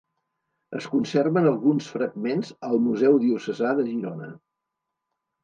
Es conserven alguns fragments al museu diocesà de Girona.